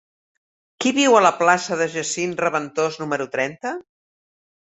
Qui viu a la plaça de Jacint Reventós número trenta?